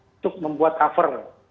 untuk membuat cover